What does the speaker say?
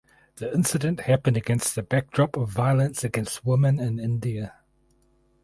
The incident happened against the backdrop of violence against women in India.